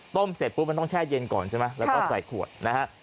เสร็จปุ๊บมันต้องแช่เย็นก่อนใช่ไหมแล้วก็ใส่ขวดนะฮะ